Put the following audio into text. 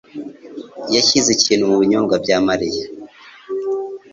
yashyize ikintu mubinyobwa bya Mariya.